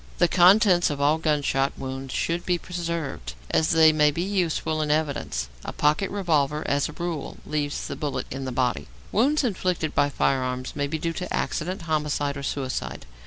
The contents of all gunshot wounds should be preserved, as they may be useful in evidence. A pocket revolver, as a rule, leaves the bullet in the body. Wounds inflicted by firearms may be due to accident, homicide, or suicide.